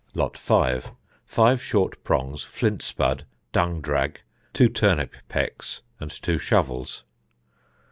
Lot 5. Five short prongs, flint spud, dung drag, two turnip pecks, and two shovels.